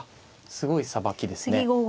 すごいさばきですね。